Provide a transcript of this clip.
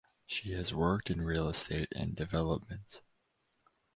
She has worked in real estate and development.